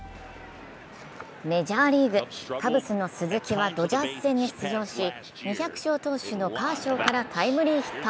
メジャーリーグ、カブスの鈴木はドジャース戦に出場し２００勝投手のカーショウからタイムリーヒット。